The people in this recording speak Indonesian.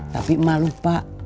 tapi emak lupa